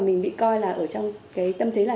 mình bị coi là ở trong cái tâm thế là